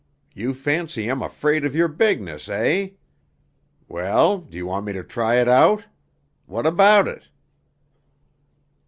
You fancy I'm afraid of your bigness, eh? Well, do you want me to try it out? What about it?"